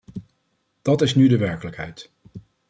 Dat is nu de werkelijkheid.